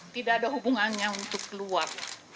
tidak ada hubungannya untuk keluar